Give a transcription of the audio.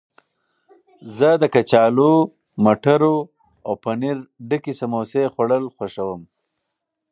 زه د کچالو، مټرو او پنیر ډکې سموسې خوړل خوښوم.